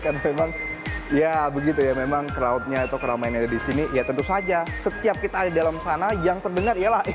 karena memang ya begitu ya memang crowd nya atau crowd nya yang ada di sini ya tentu saja setiap kita ada di dalam sana yang terdengar ialah indonesia